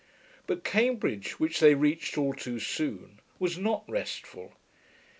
But Cambridge, which they reached all too soon, was not restful.